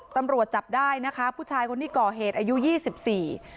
ตำรวจจับได้นะคะผู้ชายคนที่ก่อเหตุอายุยี่สิบสี่